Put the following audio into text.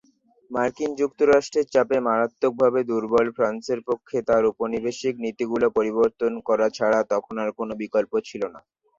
মার্কিন যুক্তরাষ্ট্রের চাপে মারাত্মকভাবে দুর্বল ফ্রান্সের পক্ষে তার উপনিবেশিক নীতিগুলি পরিবর্তন করা ছাড়া তখন আর কোন বিকল্প ছিল না।